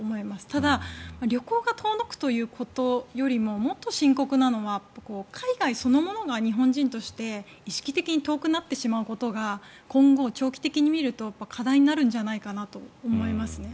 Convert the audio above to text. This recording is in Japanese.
ただ、旅行が遠のくということよりももっと深刻なのは海外そのものが日本人として意識的に遠くなってしまうことが今後、長期的に見ると課題になるのではないかと思いますね。